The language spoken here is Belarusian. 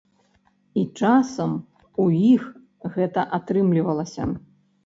І часам у іх гэта атрымлівалася.